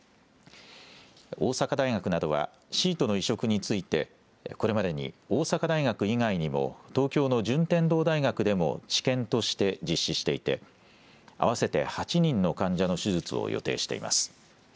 大阪大学などはシートの移植についてこれまでに大阪大学以外にも東京の順天堂大学でも治験として実施していて合わせて８人の患者の手術を予定しています。